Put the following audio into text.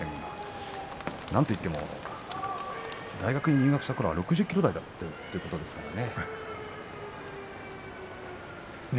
なんといっても大学に入学した時には６０ｋｇ台だったそうですからね。